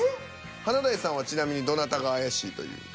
華大さんはちなみにどなたが怪しいという。